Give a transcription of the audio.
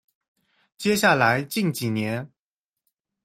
接下来近几年